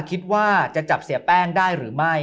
คิดว่าจะจับเสียแป้งได้หรือไม่